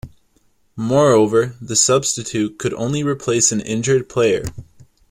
Moreover, the substitute could only replace an injured player.